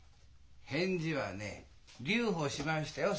返事はね留保しましたよ。